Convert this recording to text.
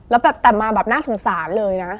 แล้วแบบแต่มาแบบน่าสงสารเลยนะ